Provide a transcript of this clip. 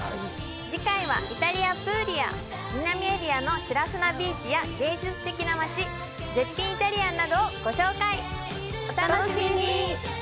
次回はイタリアプーリア南エリアの白砂ビーチや芸術的な街絶品イタリアンなどをご紹介お楽しみに！